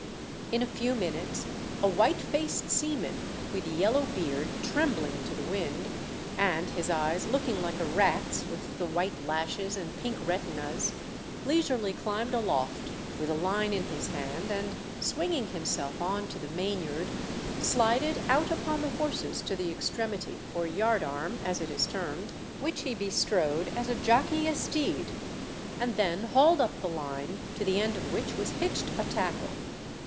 In a few minutes a white faced seaman, with yellow beard trembling to the wind, and his eyes looking like a rat's with the white lashes and pink reOinas, leisurely climbed aloft with a line in his hand, and swinging himself on to the main yard, slided out upon the horses to the extremity, or yard arm as it is termed, which he bestrode as a jockey a steed ; and then hauled up the line, to the end of which was hitched a tackle.